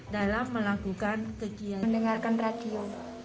dalam melakukan kegiatan mendengarkan radio